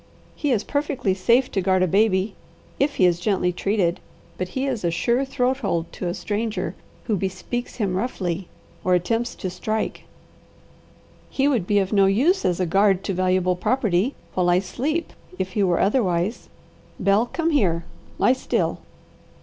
He is perfectly safe to guard a baby, if he is gently treated, but he is a sure throat hold to a stranger who bespeaks him roughly or attempts to strike. He would be of no use as a guard to valuable property while I sleep if he were otherwise. Bel, come here! Lie still."